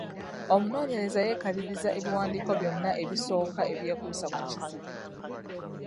Omunoonyereza yeekaliriza ebiwandiiko byonna ebisoka ebyekuusa ku kizibu.